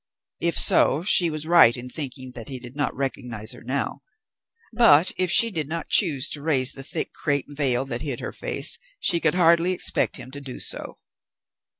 If so, she was right in thinking that he did not recognize her now; but, if she did not choose to raise the thick crape veil that hid her face, she could hardly expect him to do so.